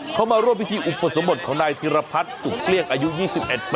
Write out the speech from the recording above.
เขามาร่วมพิธีอุปสมบทของนายธิรพัฒน์สุขเกลี้ยงอายุ๒๑ปี